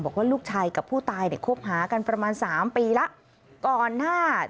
บอกว่าลูกชายกับผู้ตายคบหากันประมาณ๓ปีแล้ว